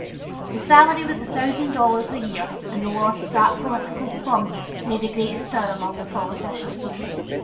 The salary was a thousand dollars a year, and the loss of that political "plum" made a great stir among the politicians.